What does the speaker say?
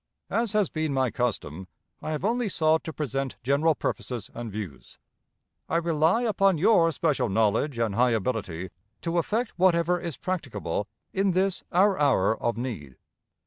"As has been my custom, I have only sought to present general purposes and views. I rely upon your special knowledge and high ability to effect whatever is practicable in this our hour of need.